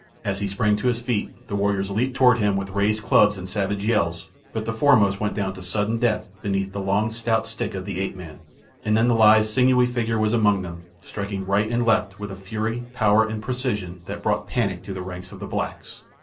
As he sprang to his feet the warriors leaped toward him with raised clubs and savage yells, but the foremost went down to sudden death beneath the long, stout stick of the ape man, and then the lithe, sinewy figure was among them, striking right and left with a fury, power, and precision that brought panic to the ranks of the blacks.